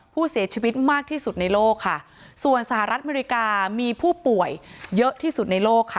ผู้เสียชีวิตมากที่สุดในโลกค่ะส่วนสหรัฐอเมริกามีผู้ป่วยเยอะที่สุดในโลกค่ะ